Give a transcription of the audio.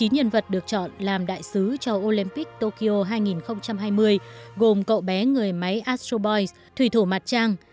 chín nhân vật được chọn làm đại sứ cho olympic tokyo hai nghìn hai mươi gồm cậu bé người máy astro boys thủy thổ mặt trăng